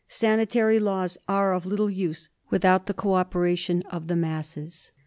Sanitary laws are of little use without the co operation of the masses.